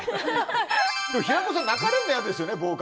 平子さん泣かれるの嫌ですよね。